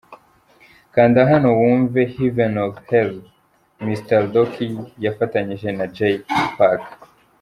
Kanda hano wumve'Heaven or Hell' Mr Rock yafatanyije na Jay Pac.